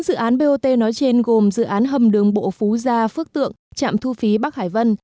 bốn dự án bot nói trên gồm dự án hầm đường bộ phú gia phước tượng trạm thu phí bắc hải vân